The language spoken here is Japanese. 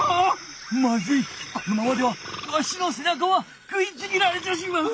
まずいこのままではわしのせなかは食いちぎられてしまう！